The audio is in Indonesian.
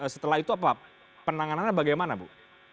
setelah itu apa penanganannya bagaimana bu